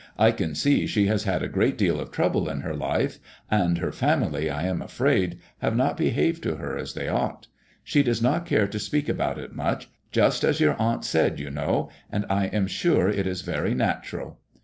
I can see she has had a great deal of trouble in her life, and her family, I am afraid, have not behaved to her as they ought. She does not care to speak about it much, just as your aunt said, you know, and I am sure it is very natural."